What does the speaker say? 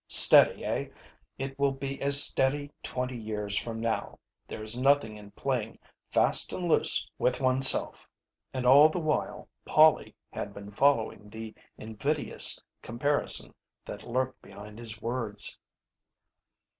Steady, eh? It will be as steady twenty years from now. There is nothing in playing fast and loose with oneself." And all the while Polly had been following the invidious comparison that lurked behind his words.